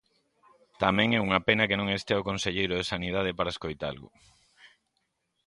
Tamén é unha pena que non estea o conselleiro de Sanidade para escoitalo.